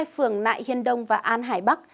hai phường nại hiên đông và an hải bắc